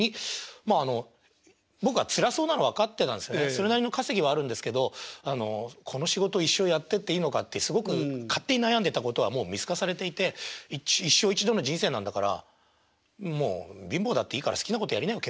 それなりの稼ぎはあるんですけどこの仕事一生やってっていいのかってすごく勝手に悩んでたことはもう見透かされていて一生一度の人生なんだからもう貧乏だっていいから好きなことやりなよ